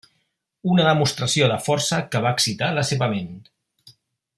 Una demostració de força que va excitar la seva ment.